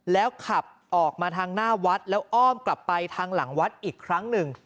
แล้วขับออกมาทางหน้าวัดแล้วอ้อมกลับไปทางหลังวัดอีกครั้งหนึ่ง